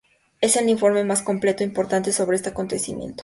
Es el informe más completo e importante sobre este acontecimiento.